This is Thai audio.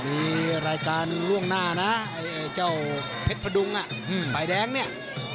มีรายการล่วงหน้านะไอ้เจ้าเพชรพดุงฝ่ายแดงเนี่ย